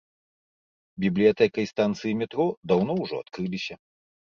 Бібліятэка і станцыі метро даўно ўжо адкрыліся.